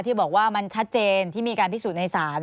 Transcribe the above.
ที่บอกว่ามันชัดเจนที่มีการพิสูจน์ในศาล